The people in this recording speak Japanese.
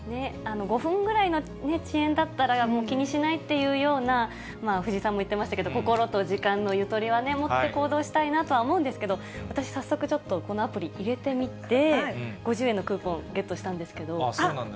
５分ぐらいの遅延だったら、気にしないっていうような、藤井さんも言っていましたけれども、心と時間のゆとりはね、持って行動したいなとは思うんですけど、私、早速、ちょっとこのアプリ入れてみて、５０円のクーポンゲットしたんですけど。